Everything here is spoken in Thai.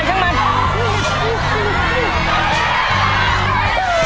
หมดยังหมดพอเร็วเร็วเร็วเร็ว